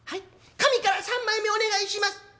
「上から三枚目お願いします！」。